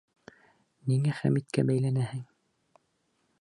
Ниңә Хәмиткә бәйләнәһең?